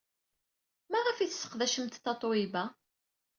Maɣef ay tesseqdacemt Tatoeba?